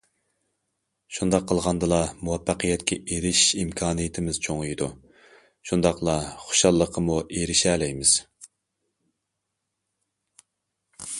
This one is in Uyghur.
شۇنداق قىلغاندىلا، مۇۋەپپەقىيەتكە ئېرىشىش ئىمكانىيىتىمىز چوڭىيىدۇ، شۇنداقلا خۇشاللىقىمۇ ئېرىشەلەيسىز.